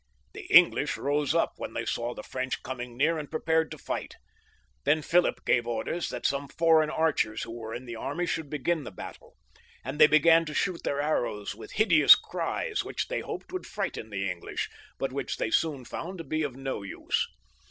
The English rose up when they saw the French coming n6ar, and prepared to XXV.] PHILIP VI. 161 , fight. Then Philip gave orders that some foreign archers who were in the army should begin the battle ; and they began to shoot their arrows with hideous cries, which they hoped would frighten the English, but which they soon • found to be of no use.